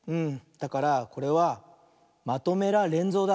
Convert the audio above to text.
だからこれは「まとめられんぞう」だ。